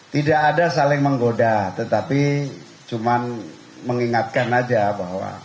tidak ada saling menggoda tetapi cuma mengingatkan saja bahwa